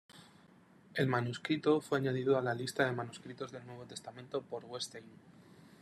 El manuscrito fue añadido a la lista de manuscritos del Nuevo Testamento por Wettstein.